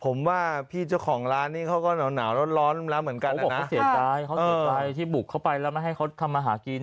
ผมว่าพี่เจ้าของร้านนี้เขาก็หนาวร้อนแล้วเหมือนกันเขาบอกเขาเสียใจเขาเสียใจที่บุกเข้าไปแล้วไม่ให้เขาทำมาหากิน